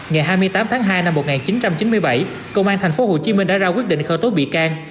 ngày hai mươi tám tháng hai năm một nghìn chín trăm chín mươi bảy công an tp hcm đã ra quyết định khởi tố bị can